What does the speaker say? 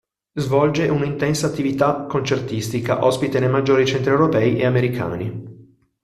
Svolge un'intensa attività concertistica, ospite nei maggiori centri europei e americani.